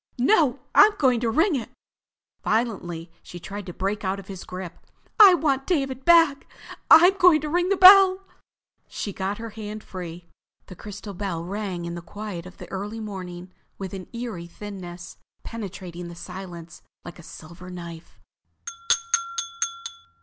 "No! I'm going to ring it." Violently she tried to break out of his grip. "I want David back! I'm going to ring the bell!" She got her hand free. The crystal bell rang in the quiet of the early morning with an eerie thinness, penetrating the silence like a silver knife.